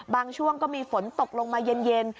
ช่วงก็มีฝนตกลงมาเย็น